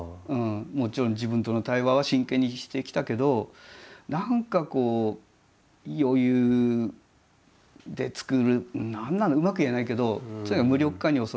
もちろん自分との対話は真剣にしてきたけど何かこう余裕で作る何なんだうまく言えないけどとにかく無力感に襲われて。